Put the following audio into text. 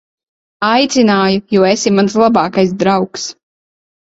Aicināju, jo esi mans labākais draugs.